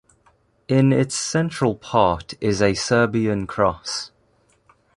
In its central part is a Serbian cross.